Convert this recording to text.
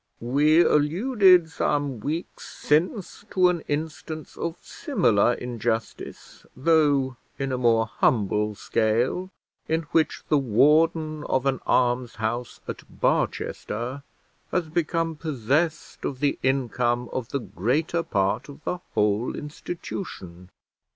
We alluded some weeks since to an instance of similar injustice, though in a more humble scale, in which the warden of an almshouse at Barchester has become possessed of the income of the greater part of the whole institution.